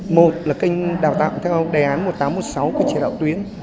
một là kênh đào tạo theo đề án một nghìn tám trăm một mươi sáu của chỉ đạo tuyến